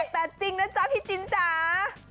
แต่จริงนะจ๊ะพี่จินจ๋า